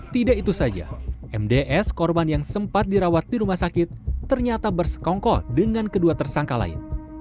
tidak itu saja mds korban yang sempat dirawat di rumah sakit ternyata bersekongkol dengan kedua tersangka lain